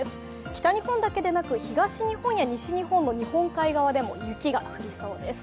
北日本だけでなく東日本や西日本の日本海側でも雪が降りそうです。